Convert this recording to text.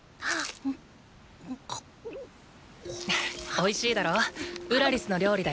おいしいだろ？ウラリスの料理だよ。